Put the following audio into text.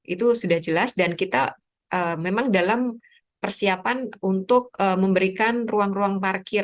itu sudah jelas dan kita memang dalam persiapan untuk memberikan ruang ruang parkir